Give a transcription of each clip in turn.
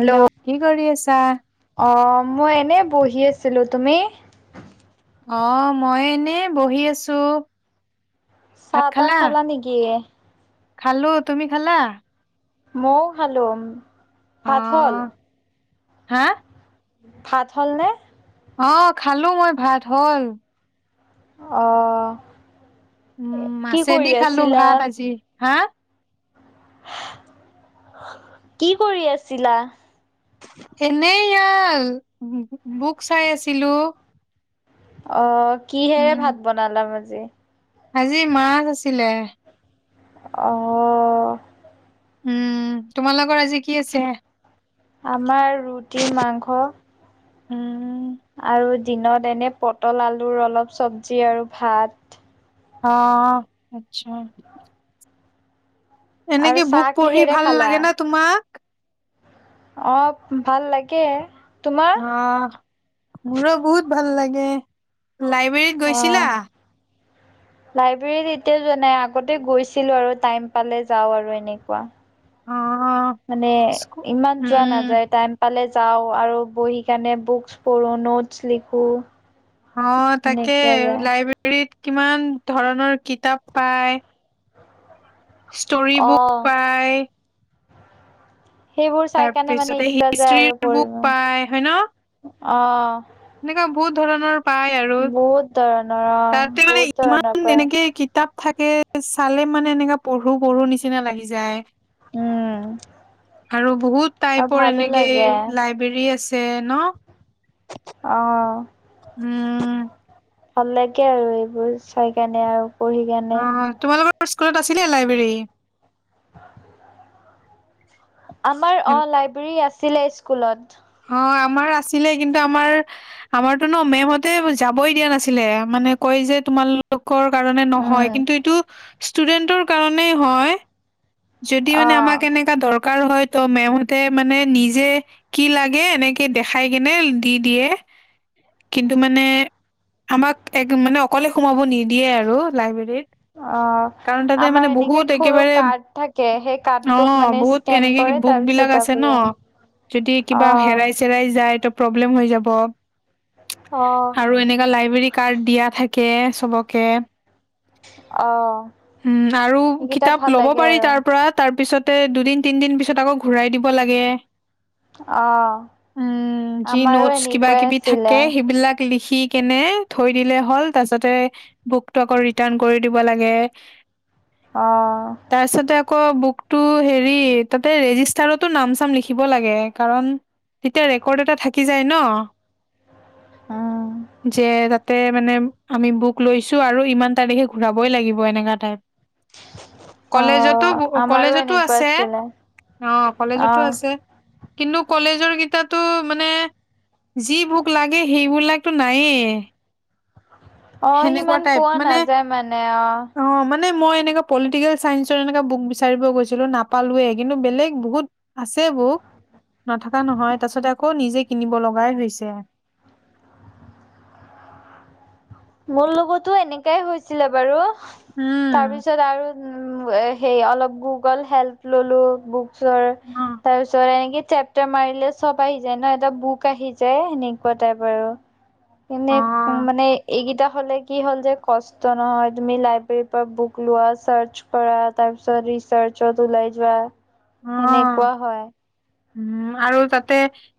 Hello কি কৰি আছা? অ' মই এনেই বহি আছিলোঁ, তুমি? অ মই এনে বহি আছো। চাহ তাহ খালা নেকি? খালো, তুমি খালা? মইও খালোঁ, ভাত হল? অ' হা! ভাত হ'ল নে? অ খালো মই ভাত হল। অহ' উম মাছেদি খালো ভাত আজি, হা? কি কৰি আছিলা? এনে এইয়া বুক চাই আছিলো। অ, কিহেৰে উম, ভাত বনালা আজি? আজি মাছ আছিলে। অ, উম, তোমালোকৰ আজি কি আছে? আমাৰ ৰুটি মাংস। উম, আৰু দিনত এনে পটল আলুৰ অলপ চব্জি আৰু ভাত। অ', আচ্ছা। আৰু এনেকে চাহ বুক পঢ়ি কিহেৰে ভাল খালা? লাগে না তোমাক? অ ভাল লাগে, তোমাৰ? অ, মোৰো বহুত ভাল লাগে। লাইব্ৰেৰীত গৈছিলা? অ' [inaudible] লাইব্ৰেৰীত এতিয়াও যোৱা নাই আগতে গৈছিলো আৰু টাইম পালে যাওঁ আৰু এনেকুৱা। অ', মানে স্কু ইমান যোৱা উম, নাযায় টাইম পালে যাওঁ আৰু বহি কাৰণে বুকচ পঢ়ো নোটছ লিখো। অ তাকে সেনেকুৱা যায় লাইব্ৰেৰীত কিমান ধৰণৰ কিতাপ পায় ষ্টৰি অ বুক পায় সেইবোৰ চাই কাণে মানে তাৰপিছতে ইচ্ছা যায় আৰু হিষ্ট্ৰীৰ বুক পঢ়িব অ।, সেনেকা বহুত ধৰণৰ পায় আৰু বহুত ধৰণৰ অ তাতে মানে বহুত ধৰণৰ ইমান পায় এনেকে কিতাপ থাকে চালে মানে এনেকা পঢ়ো পঢ়ো নিচিনা লাগি যায়। উম। আৰু বহুত আৰু টাইপৰ ভালো এনেকে লাগে লাইব্ৰেৰী আছে ন? অঁহ। উম। ভাল লাগে আৰু এইবোৰ চাই কিনে আৰু পঢ়ি গেনে। অ', তোমালোকৰ স্কুলত আছিলে লাইব্ৰেৰী? আমাৰ অ লাইব্ৰেৰী আছিলে স্কুলত। অ আমাৰ আছিলে কিন্তু আমাৰ আমাৰতো ন মেমহঁতে যাবই দিয়া নাছিলে মানে কৈ, যে তোমালোকৰ কাৰণে নহয়, উম কিন্তু এইটো ষ্টুডেণ্ট কাৰণেই হয়। যদি মানে অ', আমাক এনেকা দৰক হয় ত মেমহতে মানে নিজে কি লাগে এনেকে দেখাই কেনে দি দিয়ে। কিন্তু মানে আমাক এক মানে অকলে সোমাব নিদিয়ে আৰু লাইব্ৰেৰীত। অ', কাৰণ তাতে আমাৰ মানে এনেকে বহুত সৰু একেবাৰে কাৰ্ড থাকে সেই অ কাৰ্ডটোক মানে বহুত স্কেন কেনেকে কৰে বুক তাৰপিছত বিলাক যাব আছে ন? যায়। যদি কিবা অ', হেৰাই-চেৰাই যায় ত প্ৰব্লেম হৈ যাব অ', আৰু এনেক লাইব্ৰেৰী কাৰ্ড দিয়া থ চবকে অ', উম আৰু সেইকেইটা কিতাপ ভাল ল'ব লাগে পাৰি। আৰু তাৰ পৰা তাৰ পিছতে দুদিন-তিনদিন পিছত আকৌ ঘূৰাই দিব লাগে। অ', উম। যি আমাৰো নোটচ এনেকুৱাই আছিলে লিখি কেনে থৈ দিলে হ'ল তাৰছতে বুকতটো আকৌ ৰিটাৰ্ণ কৰি দিব লাগে আহ। তাৰপিছতে আকৌ বুকতটো হেৰি তাতে ৰেজিষ্টাৰতো নাম চাম লিখিব লাগে। কাৰণ তেতিয়া ৰেকৰ্ড এটা থাকি যায় ন উম, যে তাত তাতে মানে আমি বুক লৈছোঁ আৰু ইমান তাৰিখে ঘূৰাবই লাগিব এনেকা টাইপ। কলেজত টো অ', আমাৰো কলেজতো এনেকুৱা আছে। আছিলে অ'কলেজতো অ', আছে। কিন্তু কলেজৰ কেইটাতো মানে যি বুক লাগে সেইবিলাকতো নায়েই। আহ সেনেকুৱা সিমান টাইপ পোৱা মানে নাযায় মানে আহ অ মানে মই এনেকা পলিটিকেল চাইঞ্চৰ এনেকা বুক বিচাৰিব গৈছিলোঁ নাপালোঁ। কিন্তু বেলেগ বহুত আছে আছে বুক নথকা নহয়। তাৰ পিছতে আকৌ নিজে কিনিব লগাই হৈছে। মোৰ লগতো এনেকাই হৈছিলে বাৰু। উম। উ সেই অলপ গুগল হেল্প ললোঁ বুকচ অ তাৰপিছত চেপটাৰ মাৰিলে চ'ব আহি যায় ন এটা বুক আহি যায় সেনেকুৱা টাইপ আৰু। এনেই উ অ মানে এইকেইটা হ'লে কি হ'ল যে কষ্ট নহয়, তুমি লাইব্ৰেৰীৰ পৰা বুক লোৱা চাৰ্চ কৰা তাৰ ৰিচাৰ্ছত ওলাই যোৱা অ এনেকোৱা হয়। উম আৰু তাতে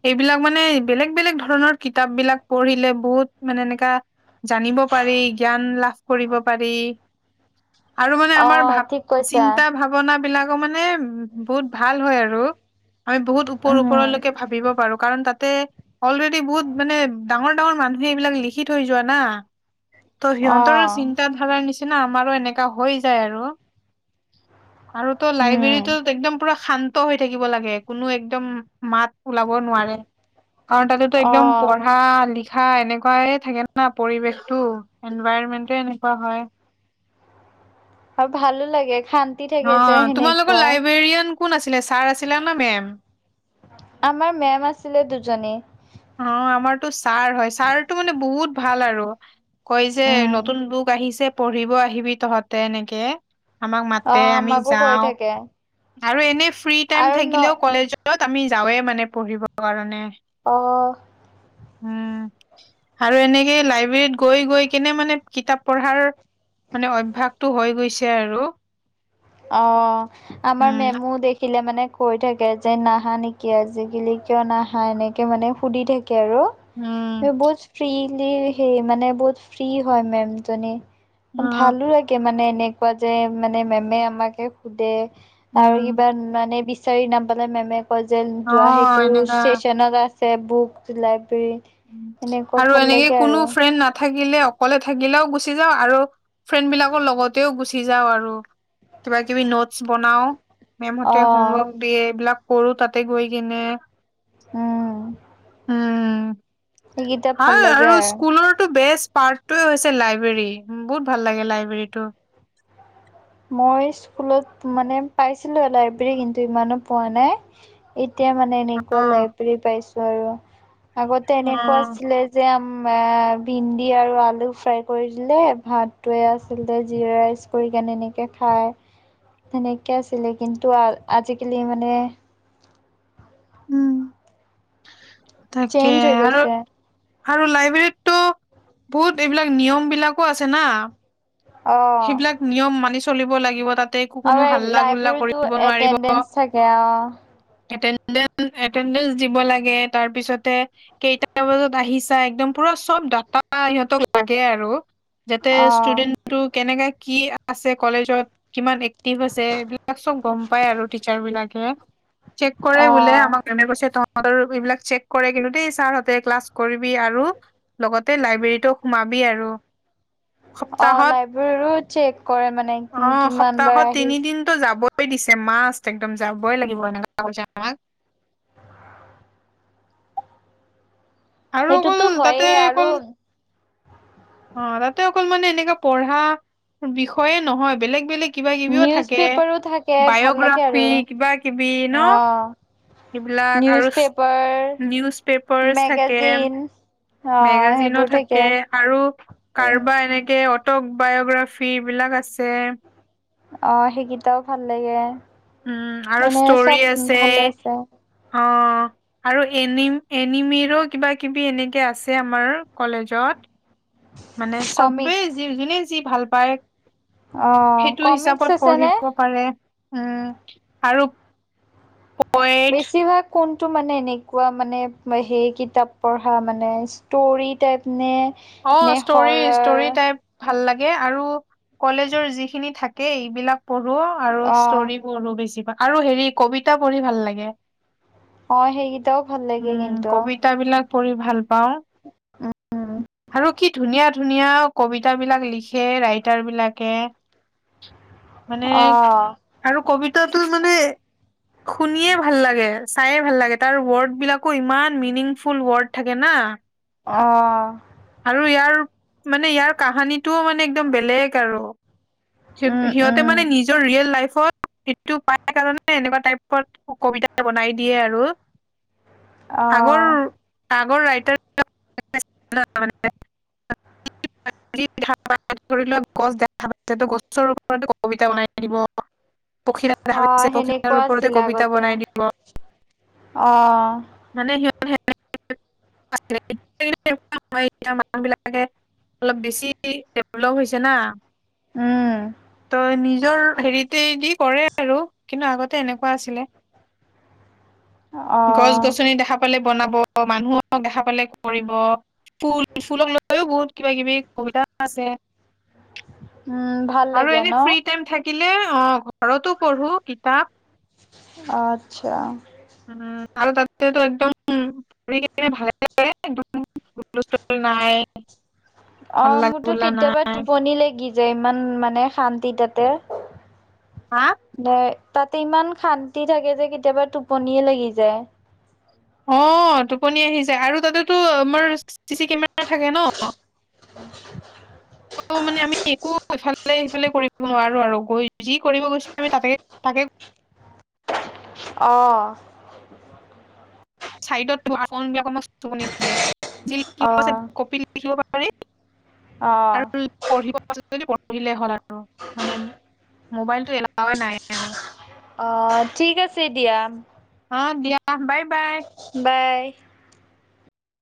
এইবিলাক মানে বেলেগ বেলেগ ধৰণৰ কিতাপ বিলাক পঢ়িলে বহুত মানে এনেকা জানিব পাৰি, জ্ঞান লাভ কৰিব পাৰি‌। আৰু মানে আমাৰ অ' ভাৱ‌ ঠিক কৈছা চিন্তা-ভাৱনা বিলাকো মানে বহুত ভাল হয় আৰু। আমি বহুত ওপৰৰ উম ওপৰলৈকে ভাবি পাৰো। কাৰণ তাতে অলৰেডি বহুত মানে ডাঙৰ ডাঙৰ মানুহে এইবিলাক লিখি থৈ যোৱা না ত' সিহঁতৰো অ' চিন্তা-ধাৰাৰ নিচিনা আমাৰো এনেকা হৈ যায় আৰু। আৰু তো উম লাইব্ৰেৰীটোত একদম পুৰা শান্ত হৈ থাকিব লাগে। কোনো একদম মাত ওলাব নোৱাৰে কাৰণ তাতেতো একদম অ' পঢ়া-লিখা কা এনেকুৱাই থাকে না পৰিৱেশটো এনভাইৰমেন্টে এনেকুৱা হয়। আৰু ভালো লাগে। শান্তি থাকে অ যে তোমালোকৰ সেনেকুৱা। লাইব্ৰেৰিয়ান কোন আছিলে? ছাৰ আছিলা ন মেম? আমাৰ মেম' আছিলে দুজনী। অ আমাৰতো ছাৰ হয় ছাৰতটো মানে বহুত ভাল আৰু। কই যে উম নতুন বুক আহিছে পঢ়িব আহিবি তহঁতে এনেকে। আমাক অ মাতে আমি আমাকো কৈ যাওঁ। থাকে আৰু এনে ফ্ৰী টাইম আৰু ন থাকিলেও কলেজত আমি যাওঁৱে মানে পঢ়িব কাৰণে। অ' উম। আৰু এনেকে লাইব্ৰেৰীত গৈ গৈ কেনে মানে কিতাপ পঢ়াৰ মানে অভ্যাসটো হৈ গৈছে আৰু। অ আমাৰ উম, মেমো দেখিলে মানে কৈ থাকে যে নাহা নেকি? আজিকালি, কিয় নাহা এনেকে মানে সুধি থাকে? উম, বহুত ফ্ৰি লী সেই মানে বহুত ফ্ৰী হয় মেম'জনি। অ', ভালো লাগে মানে এনেকুৱা যে মানে মেমে আমাকে সোধে। আৰু উম, কিবা মানে বিচাৰি নাম পালে মেমে'। যে যোৱা অ', সেইটো এনেকা ষ্টেচনত আছে বুক। লাইব্ৰেৰী এনেকুৱা আৰু ভাল এনেকে লাগে কোনো আৰু ফ্ৰেণ্ড নাথাকে থাকিলে অকলে থাকিলেও গুচি যাওঁ আৰু ফ্ৰেণ্ড বিলাকৰ লগতেও গুচি যাওঁ আৰু। কিবা- কিবি নোটছ বনাও। অ মেমহতে হোমৱৰ্ক দিয়ে এইবিলাক কৰো তাতে গৈ কিনে। উম। উম, সেইকেইটা হা ভাল লাগে আৰু স্কুলৰটো বেষ্ট পাৰ্টয়ে হৈছে লাইব্ৰেৰী বহুত ভাল লাগে লাইব্ৰেৰীটো। মই স্কুলত মানে পাইছিলো লাইব্ৰেৰী কিন্তু ইমানো পোৱা নাই। এতিয়া মানে এনেকুৱা অ', লাইব্ৰেৰী পাইছো আৰু আগতে এনেকুৱা অ', আছিলে যে আম ভিনন্দি আৰু আলু ফ্ৰাই কৰি দিলে ভাতটোৱে আচলতে জি ৰাইচ কৰি কেনে এনেক কে খাই সনেকে আছিলে কিন্তু আজিকালি মানে উম। তাকে চেঞ্জ হৈ আৰু। গৈছে আৰু লাইব্ৰেৰীততটো বহুত এইবিলাক নিয়ম বিলাকো আছে না। অ সেইবিলাক নিয়ম মানি চলিব লাগিব তাত। ততে একো কোনো আৰু হাল্লা- গল্লা লাইব্ৰেৰীতো কৰিব নোৱাৰিব এটেডেঞ্চ থাকে অ এ এটেডেঞ্চ দিব লাগে তাৰ পিছতে কেইটা বজাত আহিছা একদম পুৰা চব ডা অ [unintelligible] কেনেকা কি আছে কলেজত কিমান এক্টিভছে এইবিলাক চব গম পাই আৰু টিচাৰ বিলাকে। চেক কৰে বোলে অ আমাক মেমে কৈছে ত এইবিলাক চেক কৰে কিন্তু দেই ছাৰহ'তে ক্লাছ কৰিবি আৰু লগতে লাইব্ৰেৰীটোও সোমাব বি আৰু। [inaudible] সপ্তাহত [unintelligible] চেক কৰে মানে অ', কিমান বাৰ সপ্তাহত আহি। তিনিদিনতো যাবই দিছে মাছ একদম যাবই লাগিব এনেকুৱা কৈছে আমাক। আৰু অকল সেইটোতো হয়ে তাতে আৰু অকল অ', তাতে অকল মানে এনেককা পঢ়া বিষয়ে নহয় বেলেগ বেলেগ কিবা কিবিও নিউজ থাকে পেপাৰো থাকে ভাল লাগে বায়'গ্ৰাফি আৰু। কিবা কিবি ন'। অ', সিবিলাক নিউজ আৰু পেপাৰ নিউজ পেপাৰছ থাকে। মেগাজিন অ', মেগাজিনো থাকে আৰু কাৰোবা এনেকে টক বায়'গ্ৰাফী এইবিলাক আছে। অ', সেইকেইটাও ভাল লাগে। উম, আৰু মানে ষ্টৰি চব আছে ভালে আছে। অ'। আৰু এনি এনিমিৰো কিবা কিবি এনেকে আছে আমাৰ কলেজত। [inaudible] মানে চবেই কমিক্স যি যোনে যি ভাল পায়। অ', সেইটো কমিক্স হিচাপত আছে নে? পঢ়িব পাৰে উম, আৰু পয়েট বেছিভাগ কোন টো মানে এনেকুৱা মানে সেই কিতাপ পঢ়া মানে, ষ্টৰী টাইপ নে অ', নে ষ্টৰি হৰৰ ষ্টৰি টাইপ। ভাল লাগে আৰু কলেজৰ যিখিনি থাকে এইবিলাক পঢ়োঁ আৰু অ', ষ্ট'ৰি পঢ়োঁ বেছিভাগ আৰু হেৰি কবিতা পঢ়ি ভাল লাগে। অ' সেইকেইটাও ভাল লাগে উম কিন্তু। কবিতাবিলাক পঢ়ি ভাল পাওঁ। উম আৰু কি ধুনীয়া ধুনীয়া কবিতাবিলাক লিখে ৰাইটাৰ বিলাকে। [inaudible] মানে আহ আৰু কবিত তা টো মানে শুনিয়ে ভাল লাগে চায়ে ভাল লাগে তাৰ ওৱৰ্ড বিলাকো ইমান মিনিংফুল ৱৰ্ড থাকে না। অ'। আৰু ইয়াৰ মানে ইয়াৰ কাহানীটোও মানে একদম বেলেগ আৰু। উম সিহঁত-সিহঁতে উম মানে নিজৰ ৰিয়েল লাইফ অত সেইটো পাই কাৰণে এনেকুৱা টাইপৰ কবিতা বনাই দিয়ে আৰু। আগৰ, আহ আগৰ ৰাইটাৰ [unintelligible] [unintelligible] [unintelligible] গছ দেখা পাইছে, গছৰ ওপৰতে কবিতা বনাই দিব। পখিলা দেখা আহ পাইছে, সেনেকুৱা পখিলাৰ ওপৰতে কবিতা বনাই দিব। অ'। মানে [unintelligible] [unintelligible] এতিয়া মানুহ বিলাকে অলপ বেছি ডেভলপ হৈছে না। উম ত' নিজৰ হেৰিতেই দি কৰে আৰু। কিন্তু আগতে এনেকুৱা আছিলে গছ অ'। গছনি দেখা পালে বনাব, মানুহক দেখা পালে কৰিব ফুল, ফুলক লৈও বহুত কিবা কিবি কবিতা আছে। উম ভাল আৰু লাগে এনে ন ফ্ৰি টাইম থাক থাকিলে, অ' ঘৰতো পঢ়ো কিতাপ। অ' আচ্ছা। উম আৰু তাতেতো একদম [unintelligible] [unintelligible] নাই অ', হাল্লা মোৰতো গোল্লা কেতিয়াবা নাই টোপনি লাগি যায়, ইমান মানে শান্তি তাতে হা? দে তাতে ইমান শান্তি থাকে যে, কেতিয়াবা টোপনিয়ে লাগি যায়। অ', টোপনি আহি যায় আৰু তাতেতো আমাৰ চি চি কেমেৰা থাকে ন। উ আৰু মানে আমি একো সফালে সিফালে কৰিব নোৱাৰো আৰু, যি কৰিব গৈছে আমি [unintelligible] অ'। চাইডত অ [unintelligible] কপিত লিখিব পা পাৰি, অ আৰু পঢ়িব পাৰি যদি পঢ়িলে হ'ল আৰু, মানে মোবাইলটো এলাওৱে নাই আৰু। অ', ঠিক আছে দিয়া। অ', দিয়া বাই বাই। বাই